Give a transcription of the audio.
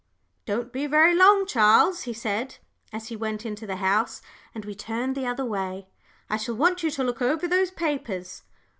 "Don't be very long, Charles," he said, as he went into the house and we turned the other way, "I shall want you to look over those papers."